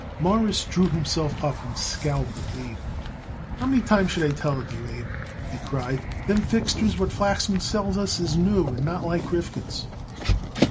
Morris drew himself up and scowled at Abe. "How many times should I tell it you, Abe," he cried, "them fixtures what Flachsman sells it us is new, and not like Rifkin's."